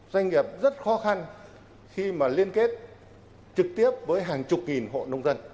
doanh nghiệp rất khó khăn khi mà liên kết trực tiếp với hàng chục nghìn hộ nông dân